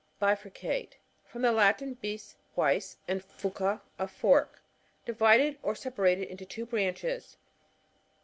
Bifurcate — From the Latin, few, twice, and furca^ a fork. Divided or separated into two branches.